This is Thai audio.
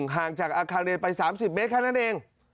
ห่างจากอาคารเรียนไป๓๐เมตรแค่นั้นเอง